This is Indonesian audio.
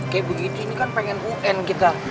kayak begini ini kan pengen un kita